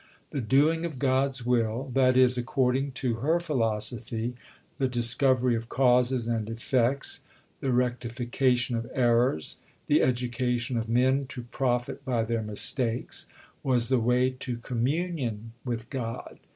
The doing of God's will that is, according to her philosophy, the discovery of causes and effects, the rectification of errors, the education of men to profit by their mistakes was the way to communion with God.